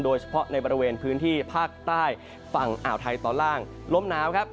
โดยเฉพาะในบริเวณพื้นที่ภาคใต้ฝั่งอ่าวไทยตอนล่างลมหนาวครับ